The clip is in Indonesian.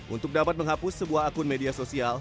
untuk dapat menghapus sebuah akun media sosial